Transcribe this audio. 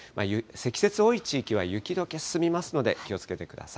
積雪多い地域は雪どけ進みますので、気をつけてください。